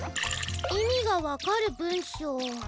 いみがわかるぶんしょう。